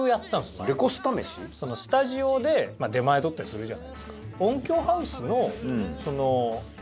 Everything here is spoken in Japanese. スタジオで出前取ったりするじゃないですか。